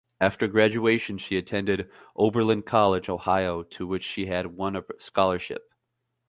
After graduation, she attended Oberlin College, Ohio, to which she had won a scholarship.